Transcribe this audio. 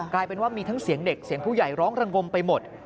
กลายเป็นว่ามีทั้งเสียงเด็กเสียงผู้ใหญ่ร้องระงมไปหมด